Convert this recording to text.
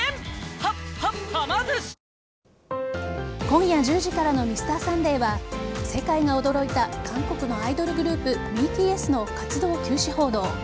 今夜１０時からの「Ｍｒ．サンデー」は世界が驚いた韓国のアイドルグループＢＴＳの活動休止報道。